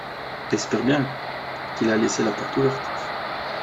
J’espère bien qu’il a laissé la porte ouverte.